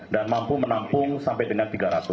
dan mampu menampung sampai dengan tiga ratus